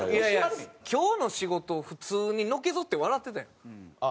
今日の仕事普通にのけぞって笑ってたやん。